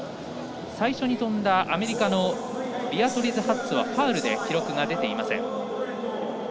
最初に跳んだアメリカのビアトリズ・ハッツはファウルで記録が出ていません。